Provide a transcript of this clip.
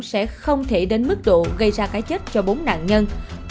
sẽ không thể đến mức độ gây ra cái chết cho bốn nạn nhân